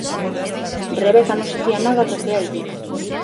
Rebecca non se fía nada do que el di.